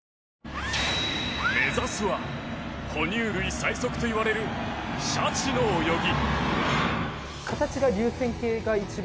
目指すは哺乳類最速といわれるシャチの泳ぎ。